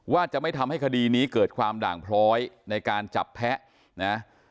ว่าจะไม่ทำให้คดีนี้เกิดความด่างพร้อยในการจับแพ้นะ